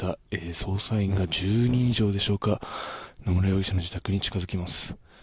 捜査員が１０人以上でしょうか野村容疑者の自宅に近づきます。